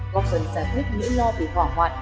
góp phần giải quyết những lo vụ hỏa hoạn